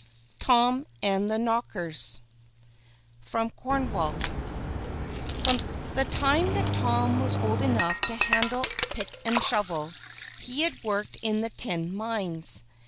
TOM AND THE KNOCKERS From Cornwall From the time that Tom was old enough to handle pick and shovel, he had worked in the tin mines.